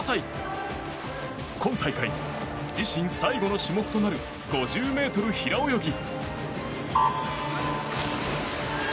今大会、自身最後の種目となる５０ｍ平泳ぎ。